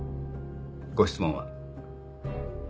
ご質問は？